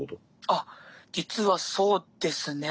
あっ実はそうですね。